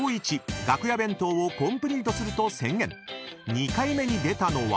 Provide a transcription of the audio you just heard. ［２回目に出たのは］